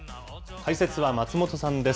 解説は松本さんです。